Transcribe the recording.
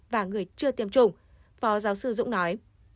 và người chưa tiêm chủng phó giáo sư dũng nói